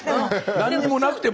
何にもなくても！